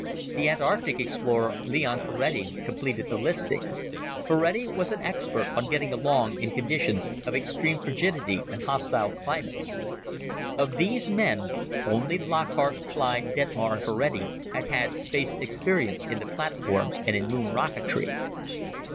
The Antarctic explorer, Leon Ferrati, completed the listing. Ferrati was an expert on getting along in conditions of extreme frigidity and hostile climates. Of these men, only Lockhart, Clyde, Detmar and Ferrati had had space experience in the platforms and in Moon rocketry.